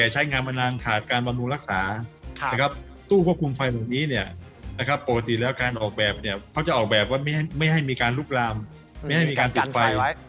จะออกแบบว่าไม่ให้ไม่ให้มีการลุกตามปลิดไฟ